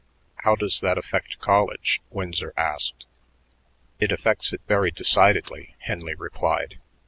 "How does that affect college?" Winsor asked. "It affects it very decidedly," Henley replied.